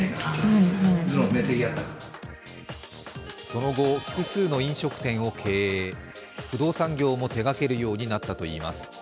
その後、複数の飲食店を経営不動産業も手がけるようになったといいます。